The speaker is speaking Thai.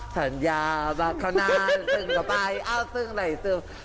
สัญญาบัคเนินที่เพิ่งเข้าไปอ้าวซึงไหลซึม